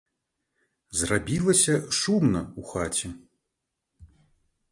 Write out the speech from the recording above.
Зрабілася шумна ў хаце.